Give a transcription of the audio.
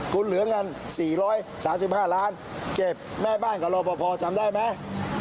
คุณเหลืองันสี่ร้อยสามสิบห้าล้านเก็บแม่บ้านกับเราพอจำได้ไหม